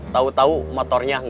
tau tau motornya gak ada